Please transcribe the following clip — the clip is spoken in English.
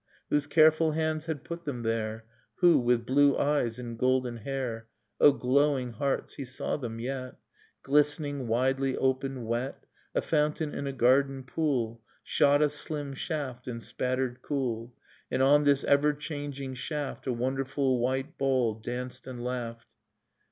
Whose careful hands had put them there, — Who, with blue eyes and golden hair? O glowing hearts : He saw them yet. Glistening, widely opened, wet ... A fountain in a garden pool Shot a slim shaft and spattered cool, And on this ever changing shaft A wonderful white ball danced and laughed